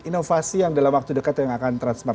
inovasi yang dalam waktu dekat yang akan transmart